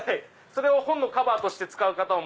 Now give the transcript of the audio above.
それを本のカバーとして使う方